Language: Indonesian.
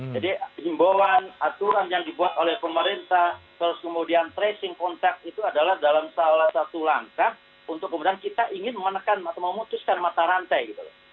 jadi imbauan aturan yang dibuat oleh pemerintah terus kemudian tracing contact itu adalah dalam salah satu langkah untuk kemudian kita ingin menekan atau memutuskan mata rantai gitu loh